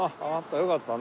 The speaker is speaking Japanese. よかったね。